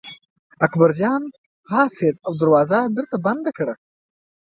اکبرجان پاڅېد او دروازه یې بېرته کړه.